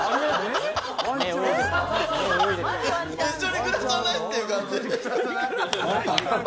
一緒に暮らさない？っていう感じ。